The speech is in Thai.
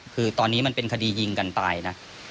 คือตอนนี้มันเป็นคดียิงกันตายนะ